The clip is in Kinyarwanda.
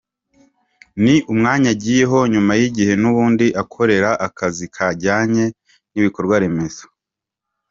Ni umwanya agiyeho nyuma y’igihe nubundi akora akazi kajyanye n’ibikorwa remezo.